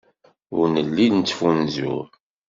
Ur nelli nettfunzur.